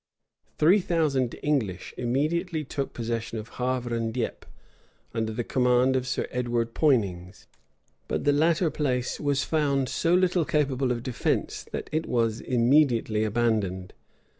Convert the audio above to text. Three thousand English immediately took possession of Havre and Dieppe, under the command of Sir Edward Poinings; but the latter place was found so little capable of defence, that it was immediately abandoned.